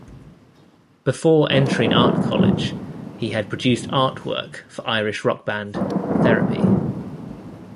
Before entering art college, he had produced art work for Irish rock band Therapy?